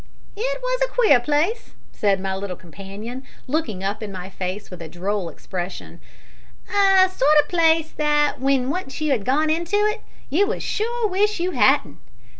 "It was a queer place," said my little companion, looking up in my face with a droll expression "a sort o' place that, when once you had gone into it, you was sure to wish you hadn't.